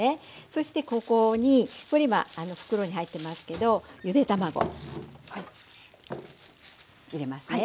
そしてここにこれ今袋に入ってますけどゆで卵入れますね。